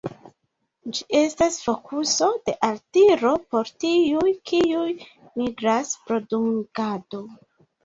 Ĝi estas fokuso de altiro por tiuj, kiuj migras pro dungado.